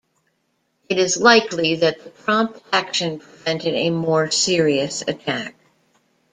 It is likely that the prompt action prevented a more serious attack.